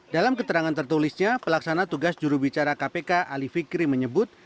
dalam keterangan tertulisnya pelaksana tugas jurubicara kpk ali fikri menyebut